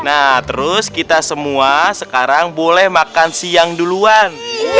nah terus kita semua sekarang boleh makan siang duluan